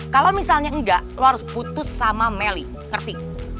kalau misalnya enggak lo harus putus sama melly ngerti